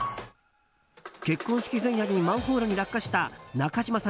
結婚式前夜にマンホールに落下した中島さん